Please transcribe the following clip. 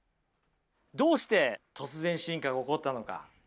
どうして突然進化が起こったのか。